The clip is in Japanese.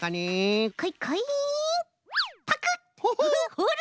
ほら！